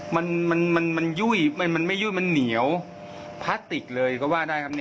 มันมันยุ่ยมันไม่ยุ่ยมันเหนียวพลาสติกเลยก็ว่าได้ครับ